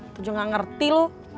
itu juga gak ngerti lo